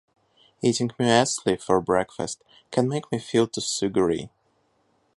Eating muesli for breakfast can make me feel to sugary.